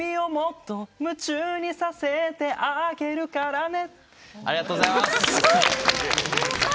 夢中にさせてあげるからね」